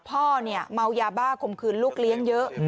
พ่อเมายาบ้าคมคืนลูกเลี้ยงเยอะ